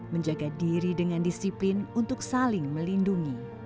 menjaga diri dengan disiplin untuk saling melindungi